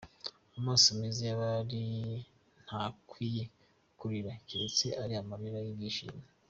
Amaso Meza yabari ntakwiye kurira keretse ari amarira yibyishimo.